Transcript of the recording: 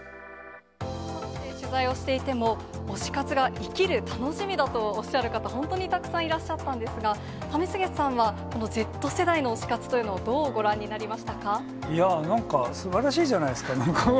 取材をしていても、推し活が生きる楽しみだとおっしゃる方、本当にたくさんいらっしゃったんですが、為末さんは、このＺ世代の推し活というのを、なんか、すばらしいじゃないですか。